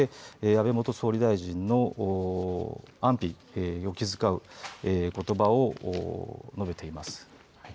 そして、安倍元総理大臣の安否を気遣うことばを述べています。